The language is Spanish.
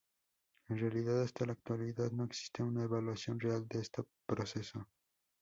En realidad hasta la actualidad, no existe una evaluación real de este proceso.